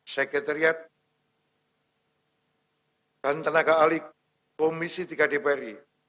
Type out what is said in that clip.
sekretariat dan tenaga alik komisi tiga dpri